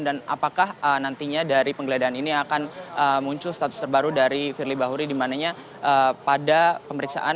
dan apakah nantinya dari penggeledahan ini akan muncul status terbaru dari firly bahuri dimananya pada pemeriksaan